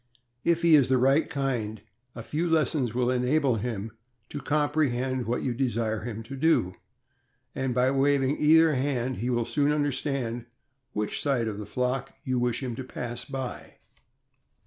If he is the "right kind," a few lessons will enable him to comprehend what you desire him to do, and by waving either hand he will soon understand which side of the flock you wish him to pass by.